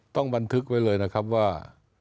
ต้องบันทึกไว้เลยนะครับว่า